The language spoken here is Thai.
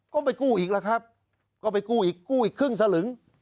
ก็ไม่กู้อีกแล้วครับก็ไปกู้อีกกู้อีกครึ่งสลึง